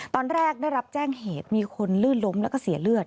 ตอนแรกได้รับแจ้งเหตุมีคนลื่นล้มแล้วก็เสียเลือด